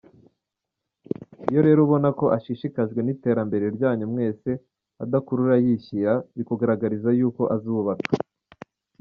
Iyo rero ubona ako ashishikajwe n’iterambere ryanyu mwese ,adakurura yishyira , bikugaragariza yuko azubaka.